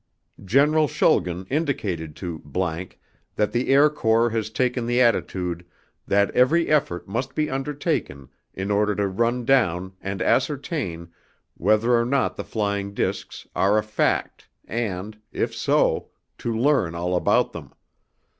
General Schulgen indicated to ____ that the Air Corps has taken the attitude that every effort must be undertaken in order to run down and ascertain whether or not the flying disks are a fact and, if so, to learn all about them.